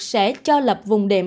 sẽ cho lập vùng đệm